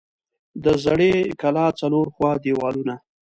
د زړې کلا څلور خوا دیوالونه